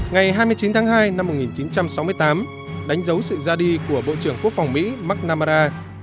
ngày hai mươi chín tháng hai năm một nghìn chín trăm sáu mươi tám đánh dấu sự ra đi của bộ trưởng quốc phòng mỹ mcnamara